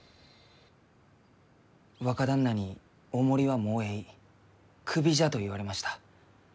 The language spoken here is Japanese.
若旦那に「お守りはもうえいクビじゃ」と言われました。